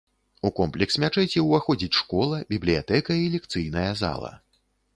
У комплекс мячэці ўваходзіць школа, бібліятэка, і лекцыйная зала.